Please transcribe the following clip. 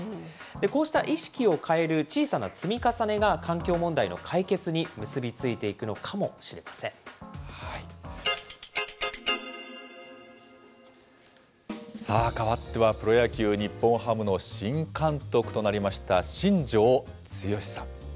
こうした意識を変える小さな積み重ねが、環境問題の解決に結び付さあ、変わってはプロ野球・日本ハムの新監督となりました、新庄剛志さん。